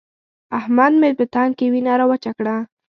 احمد مې په تن کې وينه راوچه کړه.